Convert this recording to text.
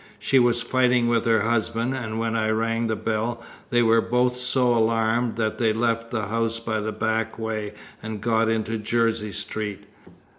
She was fighting with her husband, and when I rang the bell they were both so alarmed that they left the house by the back way and got into Jersey Street.